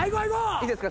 いいですか？